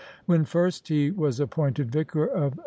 When first he was ap pointed vicar of S.